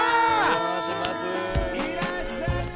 いらっしゃいませ。